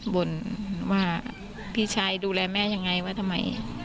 บ่นว่าพี่ชายดูแลแม่ยังไงว่าทำไม